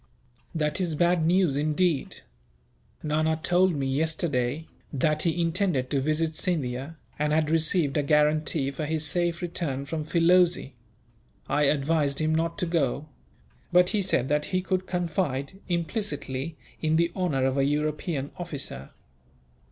"That is bad news, indeed. Nana told me, yesterday, that he intended to visit Scindia, and had received a guarantee for his safe return, from Filoze. I advised him not to go; but he said that he could confide, implicitly, in the honour of a European officer.